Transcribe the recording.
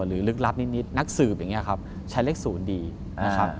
ลึกลับนิดนักสืบอย่างนี้ครับใช้เลข๐ดีนะครับ